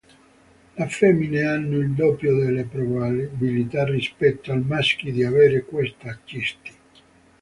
Le femmine hanno il doppio delle probabilità rispetto ai maschi di avere questa cisti.